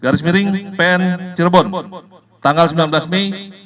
garis miring pen cerbon tanggal sembilan belas mei dua ribu tujuh belas